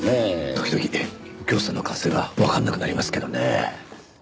時々右京さんの感性がわかんなくなりますけどね。